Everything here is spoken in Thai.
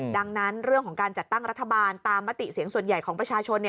ดังนั้นเรื่องของการจัดตั้งรัฐบาลตามมติเสียงส่วนใหญ่ของประชาชน